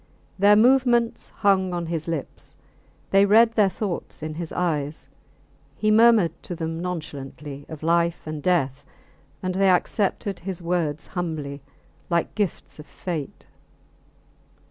Their movements hung on his lips; they read their thoughts in his eyes; he murmured to them nonchalantly of life and death, and they accepted his words humbly, like gifts of fate.